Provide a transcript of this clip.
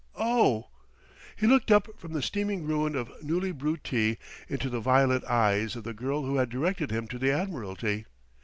"Oh!" He looked up from the steaming ruin of newly brewed tea into the violet eyes of the girl who had directed him to the Admiralty.